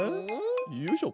よいしょ。